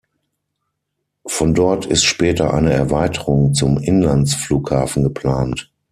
Von dort ist später eine Erweiterung zum Inlandsflughafen geplant.